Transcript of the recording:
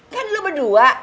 kan lu berdua